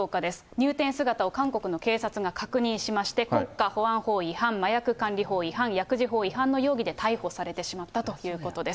入店姿を韓国の警察が確認しまして、国家保安法違反、麻薬管理法違反、薬事法違反の容疑で逮捕されてしまったということです。